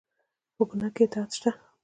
په ګناه کې اطاعت شته؟